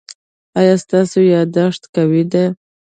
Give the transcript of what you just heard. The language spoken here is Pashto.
ایا ستاسو یادښت قوي دی؟